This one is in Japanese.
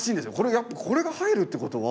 やっぱこれが入るってことは。